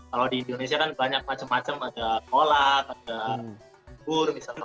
kalau di indonesia kan banyak macam macam ada kolak ada bubur